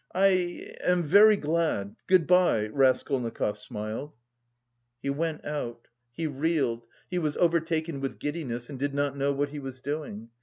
"I... am very glad... good bye," Raskolnikov smiled. He went out; he reeled, he was overtaken with giddiness and did not know what he was doing.